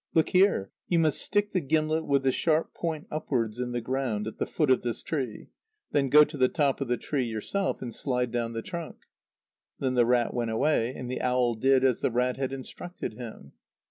Look here! you must stick the gimlet with the sharp point upwards in the ground at the foot of this tree; then go to the top of the tree yourself, and slide down the trunk." Then the rat went away, and the owl did as the rat had instructed him.